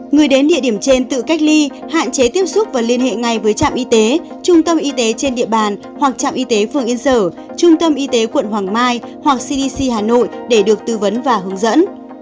người đến địa điểm trên tự cách ly hạn chế tiếp xúc và liên hệ ngay với trạm y tế trung tâm y tế trên địa bàn hoặc trạm y tế phường yên sở trung tâm y tế quận hoàng mai hoặc cdc hà nội để được tư vấn và hướng dẫn